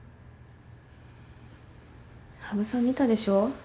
羽生さん見たでしょ？